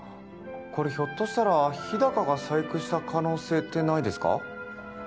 これひょっとしたら日高が細工した可能性ってないですか？